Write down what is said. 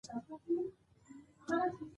په نولس سوه درې کې یې نوم بدل شو.